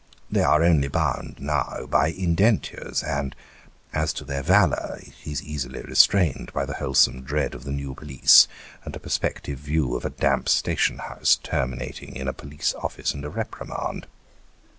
They are only bound, now, by indentures; and, as to their valour, it is easily restrained by the wholesome dread of the New Police, and a perspective view of a damp station house, terminating in a police office and a reprimand.